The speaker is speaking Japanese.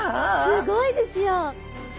すごいですよ。